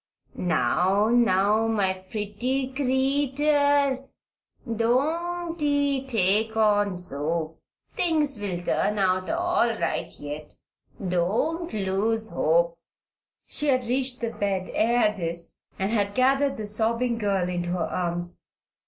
Now, now, my pretty creetur don't ee take on so. Things will turn out all right yet. Don't lose hope." She had reached the bed ere this and had gathered the sobbing girl into her arms.